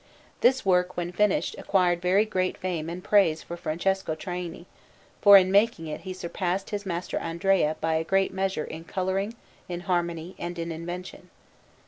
This work, when finished, acquired very great fame and praise for Francesco Traini, for in making it he surpassed his master Andrea by a great measure in colouring, in harmony, and in invention.